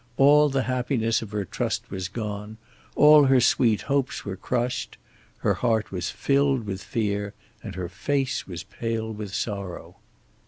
All the happiness of her trust was gone. All her sweet hopes were crushed. Her heart was filled with fear, and her face was pale with sorrow.